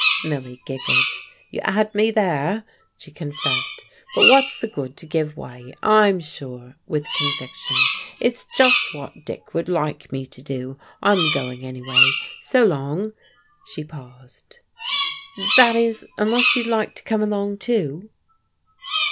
Milly giggled. "You 'ad me there," she confessed. "But what's the good to give way? I'm sure" with conviction "it's just what Dick would like me to do. I'm going, anyway. So long!" She paused: "that is unless you'd like to come along, too?"